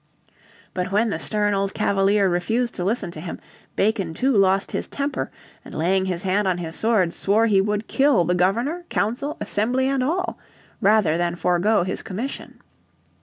But when the stern old Cavalier refused to listen to him, Bacon too lost his temper, and laying his hand on his sword, swore he would kill the Governor, Council, Assembly and all, rather than forego his commission.